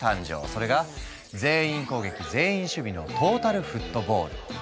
それが全員攻撃全員守備のトータルフットボール！